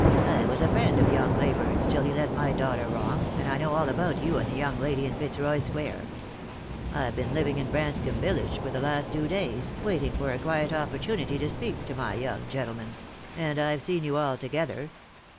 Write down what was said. I was a friend of young Ley burne's till he led my daughter wrong, and I know all about you and the young lady in Fitzroy square. I've been living in Branscomb village for the last two days, waiting for a quiet op portunity to speak to my young gentleman ; and I've seen you all together.